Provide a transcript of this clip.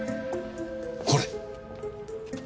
これ！